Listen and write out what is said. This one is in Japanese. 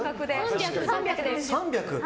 ３００。